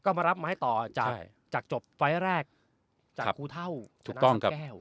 ก็มารับไม้ต่อจากจบไฟล์แรกจากกูเท่าถูกต้องแก้ว